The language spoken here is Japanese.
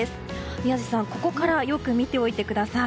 宮司さん、ここからよく見ておいてください。